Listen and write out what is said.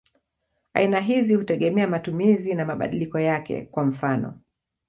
Aina hizi hutegemea matumizi na mabadiliko yake; kwa mfano.